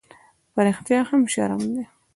_په رښتيا هم، شرم دی؟